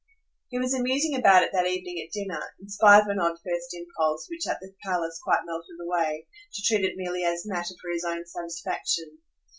He was amusing about it that evening at dinner in spite of an odd first impulse, which at the palace quite melted away, to treat it merely as matter for his own satisfaction.